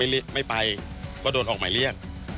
ไม่ไปก็โดนออกหมายเรียก